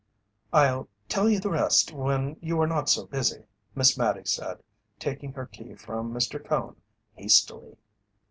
"I'll tell you the rest when you are not so busy," Miss Mattie said, taking her key from Mr. Cone hastily.